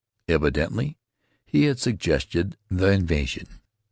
Evidently he had sug gested the invasion.